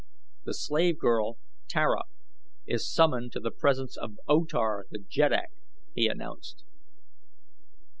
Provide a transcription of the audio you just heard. "The slave girl, Tara, is summoned to the presence of O Tar, the jeddak!" he announced.